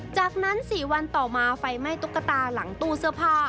จากนั้น๔วันต่อมาไฟไหม้ตุ๊กตาหลังตู้เสื้อผ้า